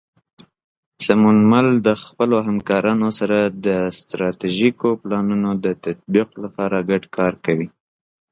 سمونمل د خپلو همکارانو سره د ستراتیژیکو پلانونو د تطبیق لپاره ګډ کار کوي.